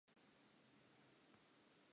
Ke phoofolo efe e nang le masiba?